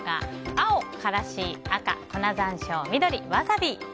青、からし赤、粉山椒緑、ワサビ。